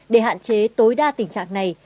để hạn chế tối đa tình trạng này